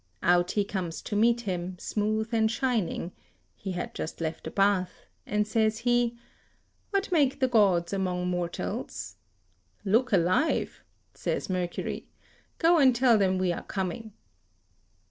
Out he comes to meet him, smooth and shining (he had just left the bath), and says he: "What make the gods among mortals?" "Look alive," says Mercury, "go and tell them we are coming."